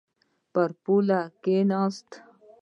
پر پوله کښېناست.